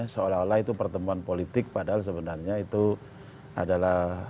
seolah olah itu pertemuan politik padahal sebenarnya itu adalah